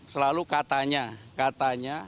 selalu katanya katanya